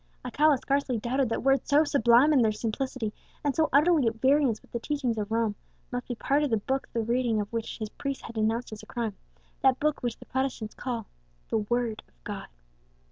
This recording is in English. Alcala scarcely doubted that words so sublime in their simplicity, and so utterly at variance with the teachings of Rome, must be part of the Book the reading of which his priest had denounced as a crime; that Book which the Protestants call the WORD OF GOD.